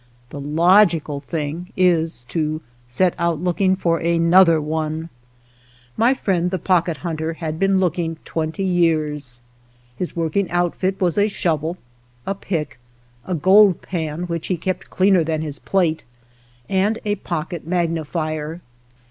The logical thing is to set out looking for another one. My friend the Pocket Hunter had been lookinor 66 THE POCKET HUNTER twenty years. His working outfit was a shovel, a pick, a gold pan which he kept cleaner than his plate, and a pocket mag nifier.